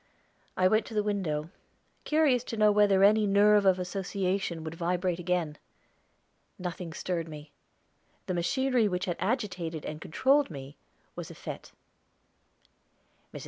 I went to the window, curious to know whether any nerve of association would vibrate again. Nothing stirred me; the machinery which had agitated and controlled me was effete. Mrs.